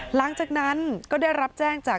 หลังจากนั้นก็ได้รับแจ้งจาก